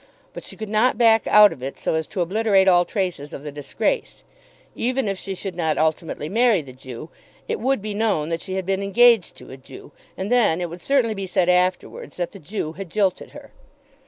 But she could not back out of it so as to obliterate all traces of the disgrace. Even if she should not ultimately marry the Jew, it would be known that she had been engaged to a Jew, and then it would certainly be said afterwards that the Jew had jilted her.